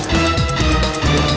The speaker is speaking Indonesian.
lo sudah bisa berhenti